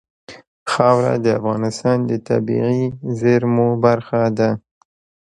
خاوره د افغانستان د طبیعي زیرمو برخه ده.